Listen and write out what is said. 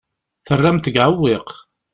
Terram-t deg uɛewwiq.